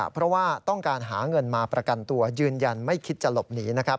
เพราะว่าต้องการหาเงินมาประกันตัวยืนยันไม่คิดจะหลบหนีนะครับ